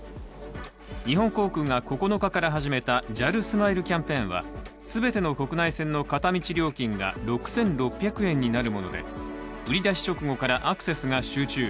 日本航空が９日から始めたＪＡＬスマイルキャンペーンは全ての国内線の片道料金が６６００円になるもので売り出し直後からアクセスが集中。